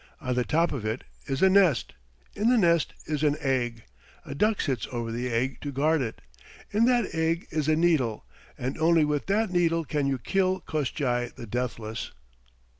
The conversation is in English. On the top of it is a nest. In the nest is an egg. A duck sits over the egg to guard it. In that egg is a needle, and only with that needle can you kill Koshchei the Deathless."